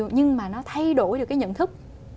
nhưng mà nó thay đổi được cái nhận thức